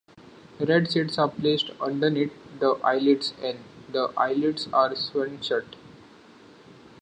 Red seeds are placed underneath the eyelids and the eyelids are sewn shut.